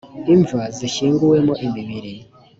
imva zishyinguwemo imibiri